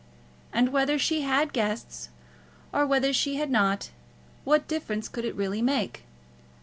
And whether she had guests, or whether she had not, what difference could it really make?